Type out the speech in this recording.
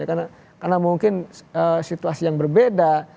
karena mungkin situasi yang berbeda